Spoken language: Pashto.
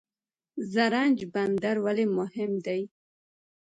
زرنج بندر ولې مهم دی؟